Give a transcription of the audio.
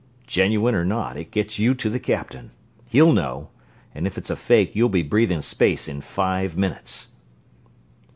"Genuine or not, it gets you to the Captain. He'll know, and if it's a fake you'll be breathing space in five minutes."